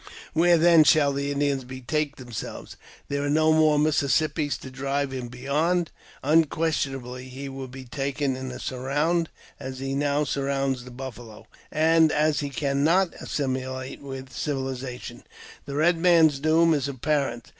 Where then shall the Indian betake himself ? There are no more Mississippis to drive him beyond. Unquestionably he will be taken in a surround, as he now surrounds the buffalo ; and as he cannot assimilate with civilization, the Ked Man's doom is apparent.